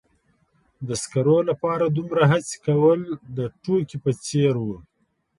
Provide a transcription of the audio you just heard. د سکرو لپاره دومره هڅې کول د ټوکې په څیر و.